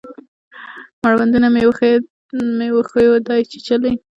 مړوندونه مې وښیو دی چیچلي